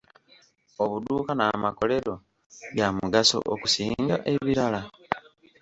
Obuduuka n'amakolero bya mugaso okusinga ebibira?